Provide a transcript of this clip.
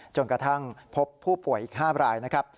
จนกระทั่งพบผู้ป่วยอีก๕รายนะครับ